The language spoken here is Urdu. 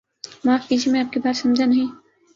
معاف کیجئے میں آپ کی بات سمجھانہیں